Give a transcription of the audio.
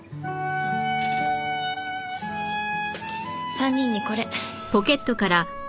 ３人にこれ。